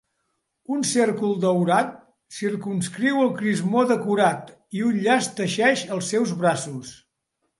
Un cèrcol daurat circumscriu el crismó decorat i un llaç teixeix els seus braços.